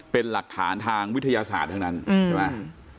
เป็นหลักฐานทางวิทยาศาสตร์ทั้งนั้นใช่ไหม